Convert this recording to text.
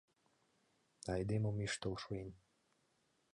— Айдемым ӱштыл шуэн!